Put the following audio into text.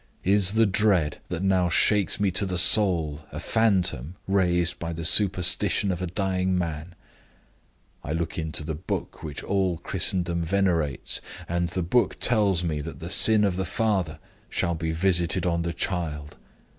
Is the dread that now shakes me to the soul a phantom raised by the superstition of a dying man? I look into the Book which all Christendom venerates, and the Book tells me that the sin of the father shall be visited on the child.